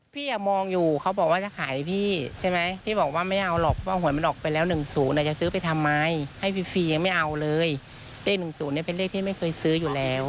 พี่อ่ะมองอยู่เขาบอกว่าจะขายให้พี่ใช่ไหมพี่บอกว่าไม่เอาหรอกเพราะว่าห่วงมันออกไปแล้วหนึ่งศูนย์เนี่ยจะซื้อไปทำไมให้ฟรียังไม่เอาเลยเลขหนึ่งศูนย์เนี่ยเป็นเลขที่ไม่เคยซื้ออยู่แล้ว